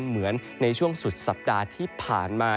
เหมือนในช่วงสุดสัปดาห์ที่ผ่านมา